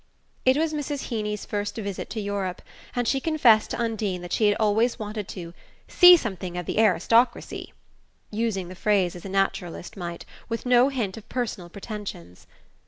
It was Mrs. Heeny's first visit to Europe, and she confessed to Undine that she had always wanted to "see something of the aristocracy" using the phrase as a naturalist might, with no hint of personal pretensions.